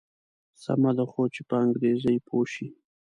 سمه ده خو چې په انګریزي پوی شي.